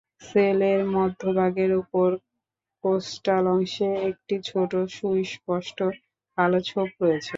Sell এর মধ্যভাগের উপরে কোস্টাল অংশে একটি ছোট সুস্পষ্ট কালো ছোপ রয়েছে।